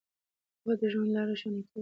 پوهه د ژوند لاره روښانه کوي.